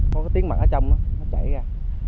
có cái tiếng mật ở trong nó nó chảy ra